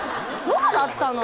そうだったの？